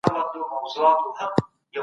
شکر د روح د بېدارۍ یو لوی راز دی.